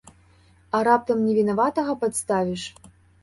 А раптам невінаватага падставіш?